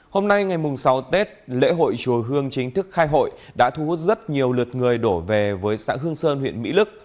hôm nay ngày sáu tết lễ hội chùa hương chính thức khai hội đã thu hút rất nhiều lượt người đổ về với xã hương sơn huyện mỹ lức